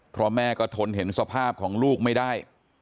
เพราะแม่ก็ทนเห็นสภาพของลูกไม่ได้